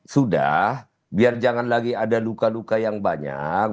sudah biar jangan lagi ada luka luka yang banyak